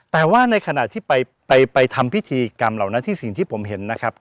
แต่ว่าในขณะที่ไปทำพิธีกรรมเหล่านั้นที่สิ่งที่ผมเห็นนะครับ